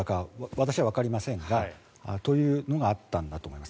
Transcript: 私はわかりませんがというのがあったんだと思います。